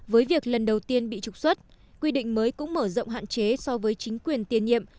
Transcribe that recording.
vị trục xuất quy định mới cũng mở rộng hạn chế so với chính quyền tiền nhiệm